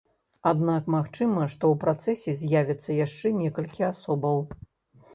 Аднак магчыма, што ў працэсе з'явіцца яшчэ некалькі асобаў.